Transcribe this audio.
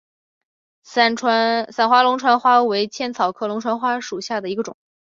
散花龙船花为茜草科龙船花属下的一个种。